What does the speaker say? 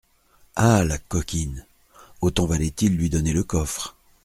Ah ! la coquine ! Autant valait-il lui donner le coffre.